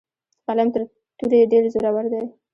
قلم تر تورې ډیر زورور دی.